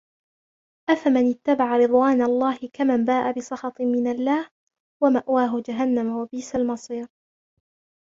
أفمن اتبع رضوان الله كمن باء بسخط من الله ومأواه جهنم وبئس المصير